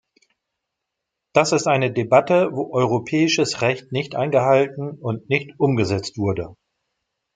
Das ist eine Debatte, wo europäisches Recht nicht eingehalten und nicht umgesetzt wurde.